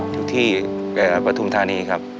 อยู่ที่ปฐุมธานีครับ